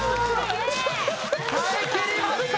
耐え切りました！